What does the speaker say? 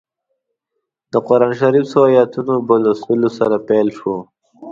د قران شریف څو ایتونو په لوستلو سره پیل شوه.